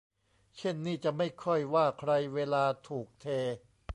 เช่นนี่จะไม่ค่อยว่าใครเวลาถูกเท